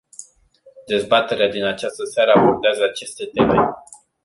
Dezbaterea din această seară abordează aceste teme.